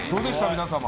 皆様。